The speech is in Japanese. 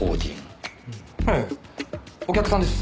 ええお客さんです。